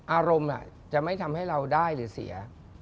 อารมณ์จะไม่ทำให้เราได้หรือเสีย